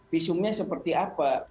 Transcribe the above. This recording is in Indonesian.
visumnya seperti apa